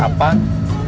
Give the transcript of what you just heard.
tadi kita seangkot ya